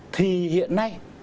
thì hiện nay